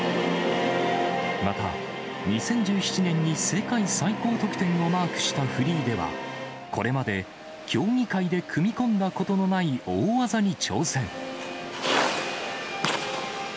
また、２０１７年に世界最高得点をマークしたフリーでは、これまで競技会で組み込んだことのない大技に挑戦。